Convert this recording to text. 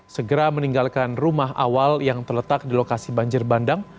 segera meninggalkan rumah awal yang terletak di lokasi banjir bandang